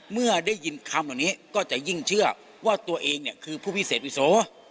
เมื่อได้ยินคำเหล่านี้ก็จะยิ่งเชื่อว่าตัวเองเนี่ยคือผู้พิเศษวิโส